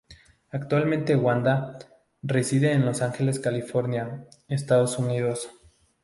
Actualmente Wanda, reside en Los Angeles, California, Estados Unidos.